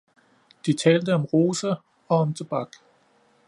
De talte om roser og om tobak